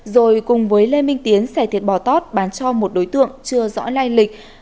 rồi cùng với lê minh tiến xẻ thiệt bỏ tót bán cho một đối tượng chưa rõ lai lịch